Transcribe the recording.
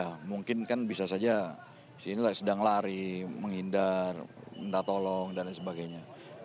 ya mungkin kan bisa saja sini lah sedang lari menghindar minta tolong dan lain sebagainya